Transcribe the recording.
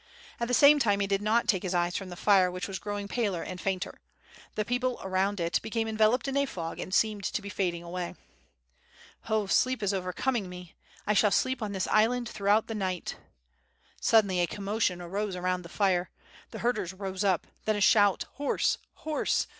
At the same time he did not take hia eyes from the hre which was growing paler afld fainter. The people round it became enveloped in a fog and seemed to be fading away. "Oh, sleep is overcoming me, 1 shall sleep on this island throughout the night/' Suddenly a commotion arose around the fire. The herders rose up. Then a sLout '*ilorse! Horse!"